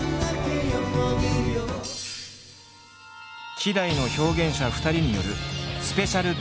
希代の表現者２人によるスペシャル対談。